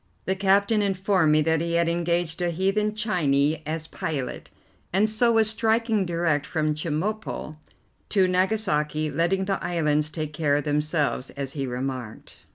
The captain informed me that he had engaged a "heathen Chinee" as pilot, and so was striking direct from Chemulpo to Nagasaki, letting the islands take care of themselves, as he remarked.